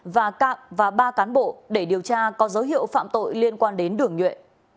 và cạm và ba cán bộ để điều tra có dấu hiệu phạm tội liên quan đến đường nhuệ